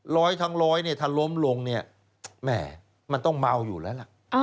ร้อยทั้งร้อยเนี่ยถ้าล้มลงเนี่ยแหม่มันต้องเมาอยู่แล้วล่ะ